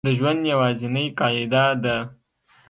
د ژوند یوازینۍ قاعده ده